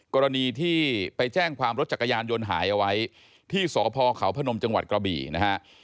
กรณีที่ไปแจ้งความรถจักรยานยนต์หายไว้ที่สพเขาพนมจกรบินะครับ